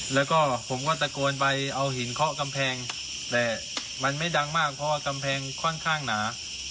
แล้วก็ผมก็ตะโกนไปเอาหินเคาะกำแพงแต่มันไม่ดังมากเพราะว่ากำแพงค่อนข้างหนา